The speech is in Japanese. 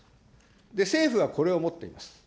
政府はこれを持っています。